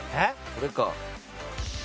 これか？